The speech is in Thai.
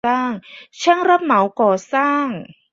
ช่างรับเหมาก่อสร้าง